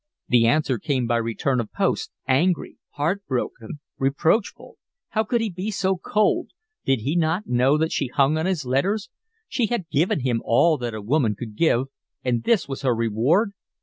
The answer came by return of post, angry, heart broken, reproachful: how could he be so cold? Did he not know that she hung on his letters? She had given him all that a woman could give, and this was her reward.